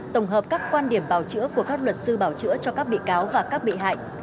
tổng hợp các quan điểm bào chữa của các luật sư bảo chữa cho các bị cáo và các bị hại